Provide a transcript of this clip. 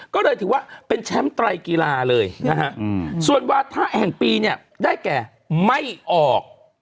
ก็เลยถือว่าเป็นแชมป์ไตรกีฬาเลยนะฮะส่วนวาถะแห่งปีเนี่ยได้แก่ไม่ออก